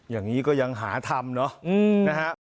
อย่างนี้ก็ยังหาทำเนอะนะฮะ